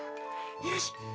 よし！